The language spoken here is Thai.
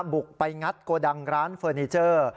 บุกไปงัดโกดังร้านเฟอร์นิเจอร์